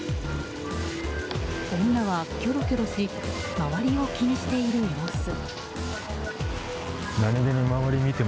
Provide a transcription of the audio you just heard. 女はキョロキョロし周りを気にしている様子。